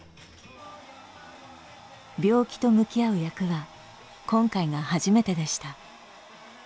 病気と向き合う役は今回が初めてでした。